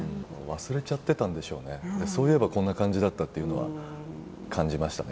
忘れちゃってたんでしょうね、そういえばこんな感じだったというのは感じましたね。